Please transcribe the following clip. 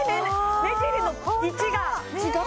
目尻の位置が違う！